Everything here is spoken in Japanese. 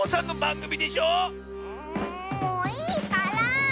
んもういいから。